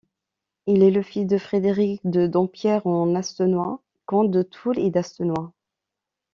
Il est le fils de Frédéric de Dampierre-en-Astenois, comte de Toul et d'Astenois.